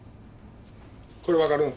これ分かるん？